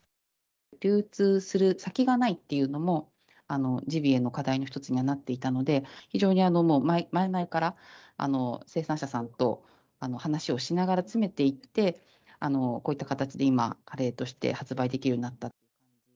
流通する先がないっていうのもジビエの課題の一つにはなっていたので、非常に、もう前々から生産者さんと話をしながら詰めていって、こういった形で今、カレーとして発売できるようになった。